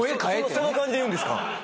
そんな感じで言うんですか。